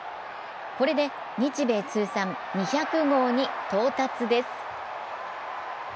これで日米通算２００号に到達です。